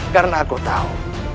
karena aku tahu